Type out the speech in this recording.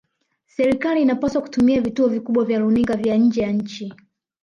serikali inapaswa kutumia vituo vikubwa vya runinga vya nje ya nchi